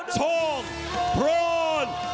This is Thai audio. ทองบรอร์น๒๖